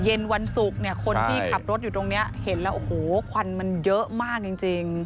เย็นวันศุกร์เนี่ยคนที่ขับรถอยู่ตรงนี้เห็นแล้วโอ้โหควันมันเยอะมากจริง